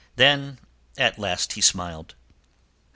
Then, at last he smiled.